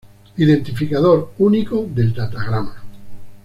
Identificador único del datagrama.